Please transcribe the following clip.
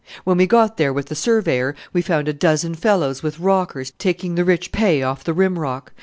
When we got there with the surveyor we found a dozen fellows with rockers taking the rich pay off the rim rock.